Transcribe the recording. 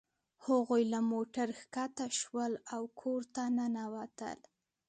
هغوی له موټر ښکته شول او کور ته ننوتل